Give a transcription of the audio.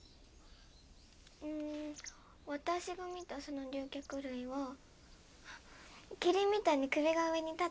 うん私が見たその竜脚類はキリンみたいに首が上に立っていました。